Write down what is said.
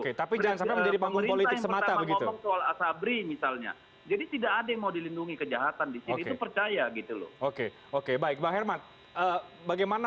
oke tapi jangan sampai menjadi panggung politik semata mata